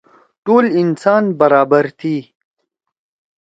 ٹول انسان برابر تھی۔